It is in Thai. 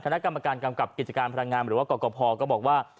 และนักกรรมการกรรมกลับกิจการพลังงานหรือว่ากกพก็บอกว่า